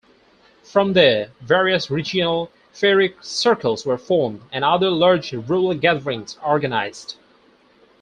From there, various regional Faerie Circles were formed, and other large rural gatherings organized.